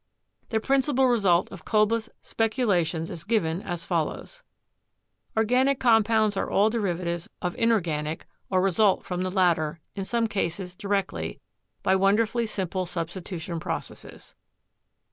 The principal result of Kolbe's speculations is given as follows : "Organic compounds are all derivatives of inor ganic, or result from the latter — in some cases directly — by wonderfully simple substitution processes."